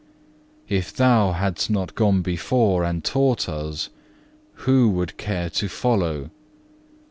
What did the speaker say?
If Thou hadst not gone before and taught us, who would care to follow?